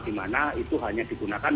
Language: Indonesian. dimana itu hanya digunakan